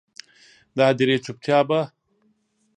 د هدیرې چوپتیا به،